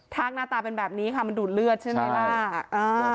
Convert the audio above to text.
กหน้าตาเป็นแบบนี้ค่ะมันดูดเลือดใช่ไหมล่ะ